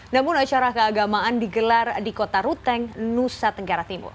namun acara keagamaan digelar di kota ruteng nusa tenggara timur